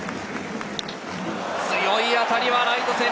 強い当たりはライト線。